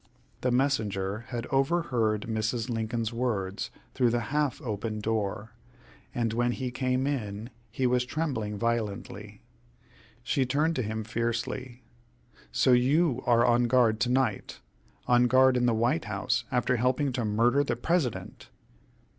The messenger had overheard Mrs. Lincoln's words through the half open door, and when he came in he was trembling violently. She turned to him fiercely: "So you are on guard to night on guard in the White House after helping to murder the President!"